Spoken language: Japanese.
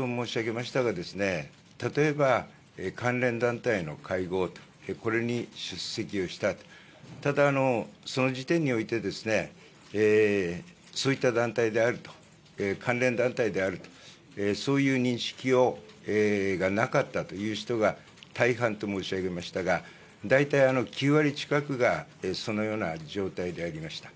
そういった中で、先ほど申し上げましたが、例えば、関連団体への会合、これに出席をした、ただ、その時点におけるそういった団体であると、関連団体であると、そういう認識がなかった人が大半と申し上げましたが、大体９割近くが、そのような状態でありました。